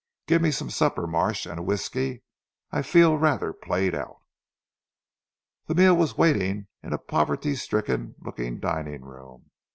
"Give me some supper Marsh, and a whisky. I feel rather played out." The meal was waiting in a poverty stricken looking dining room.